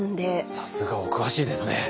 さすが！お詳しいですね。